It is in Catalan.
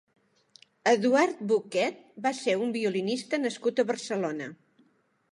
Eduard Bocquet va ser un violinista nascut a Barcelona.